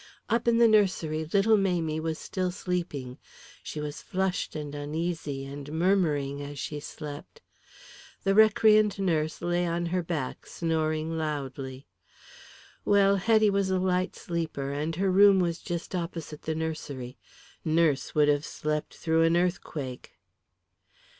Up in the nursery little Mamie was still sleeping, she was flushed and uneasy and murmuring as she slept. The recreant nurse lay on her back snoring loudly. Well, Hetty was a light sleeper, and her room was just opposite the nursery. Nurse would have slept through an earthquake.